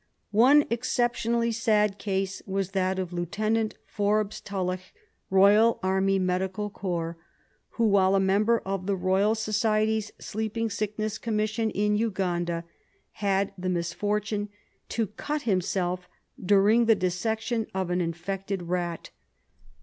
One exceptionally sad case was that of Lieutenant Forbes Tulloch, E.A.M.C., who, while a member of the Eoyal Society's Sleeping Sickness Commission in Uganda, had the misfortune to cut himself during the dissection of an infected rat.